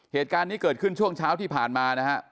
เหตุการณ์นี้เกิดขึ้นช่วงเช้าที่ผ่านมานะฮะ